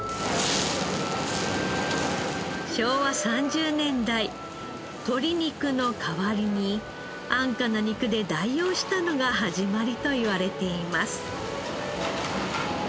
昭和３０年代鶏肉の代わりに安価な肉で代用したのが始まりといわれています。